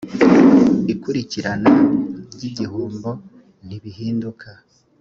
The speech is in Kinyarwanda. ikurikirana ry’igihombo ntibihinduka